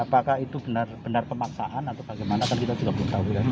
apakah itu benar benar pemaksaan atau bagaimana kan kita juga belum tahu